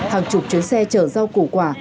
hàng chục chuyến xe chở rau củ quà